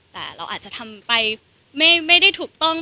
แต่เราอาจจะทำไปไม่ได้ถูกต้อง